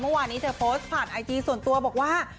เมื่อวานนี้เธอโพสต์ผ่านไอจีส่วนตัวบอกว่า